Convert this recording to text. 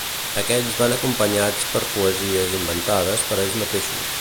Aquells van acompanyats per poesies inventades per ells mateixos.